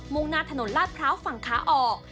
งหน้าถนนลาดพร้าวฝั่งขาออก